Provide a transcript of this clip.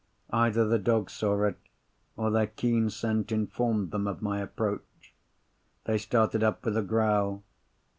Either the dogs saw it, or their keen scent informed them of my approach; they started up with a growl.